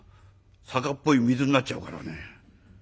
酒っぽい水になっちゃうからね。